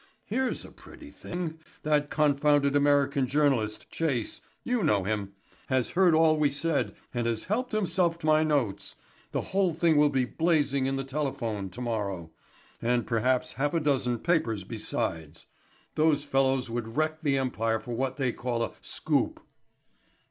"Here's a pretty thing; that confounded American journalist, Chase you know him has heard all we said and has helped himself to my notes; the whole thing will be blazing in the Telephone to morrow, and perhaps half a dozen papers besides. Those fellows would wreck the empire for what they call a 'scoop.'"